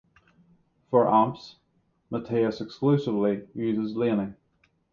For amps, Mattias exclusively uses Laney.